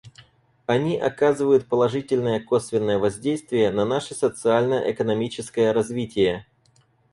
Они оказывают положительное косвенное воздействие на наше социально-экономическое развитие.